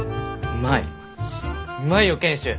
うまいよ賢秀。